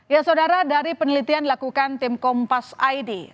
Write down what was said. ya saudara dari penelitian dilakukan tim kompas id